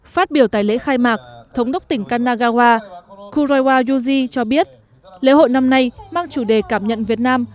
phát biểu tại lễ khai mạc thống đốc tỉnh kanagawa kojo iwa juji cho biết lễ hội năm nay mang chủ đề cảm nhận việt nam